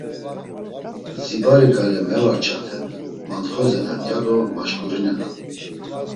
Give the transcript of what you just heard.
Zibari ǩale mevarç̌aten, mant̆xozanen ya do maşǩurinenan.